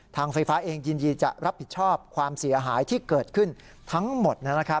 ทางไฟฟ้าเองยินดีจะรับผิดชอบความเสียหายที่เกิดขึ้นทั้งหมด